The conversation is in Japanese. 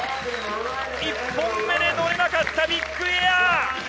１本目で乗れなかったビッグエア！